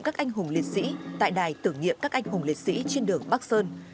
các anh hùng liệt sĩ tại đài tử nghiệm các anh hùng liệt sĩ trên đường bắc sơn